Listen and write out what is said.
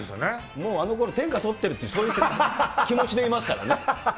もうあの頃、天下取ってるっていうそういう気持ちでいますからね。